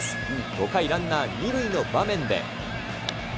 ５回、ランナー２塁の場面で。